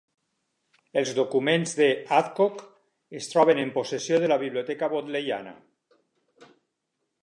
Els documents de Adcock es troben en possessió de la Biblioteca Bodleiana.